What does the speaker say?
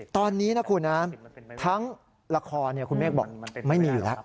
ตอนนี้นะคุณนะทั้งละครคุณเมฆบอกไม่มีอยู่แล้ว